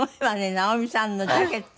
直美さんのジャケット？